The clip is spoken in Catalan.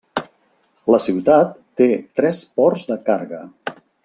La ciutat té tres ports de càrrega.